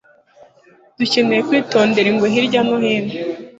dukeneye kwitondera ingwe hirya no hino